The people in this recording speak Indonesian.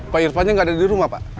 pak irfannya nggak ada di rumah pak